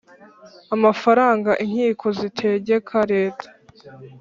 amafaranga inkiko zitegeka Leta